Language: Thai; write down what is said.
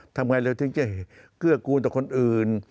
ทำไงเราถึงจะเกื้อกูลต่อคนอื่น